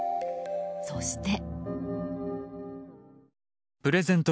そして。